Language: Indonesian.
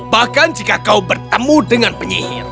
bahkan jika kau bertemu dengan penyihir